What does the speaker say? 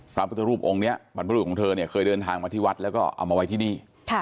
พระพุทธรูปองค์นี้บรรพรุษของเธอเนี่ยเคยเดินทางมาที่วัดแล้วก็เอามาไว้ที่นี่